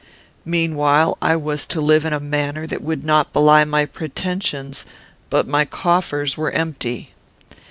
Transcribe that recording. Meanwhile, I was to live in a manner that would not belie my pretensions; but my coffers were empty.